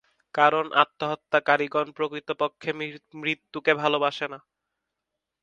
কারণ আত্মহত্যাকারিগণ প্রকৃতপক্ষে মৃত্যুকে ভালবাসে না।